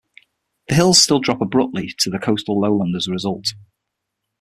The hills still drop abruptly to the coastal lowland as a result.